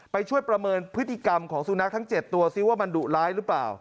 ไปช่วยประเมินพฤติกรรมของสุนัขทั้ง๗ตัวซิว่ามันดุร้ายหรือเปล่า